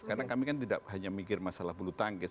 karena kami kan tidak hanya mikir masalah bulu tangkis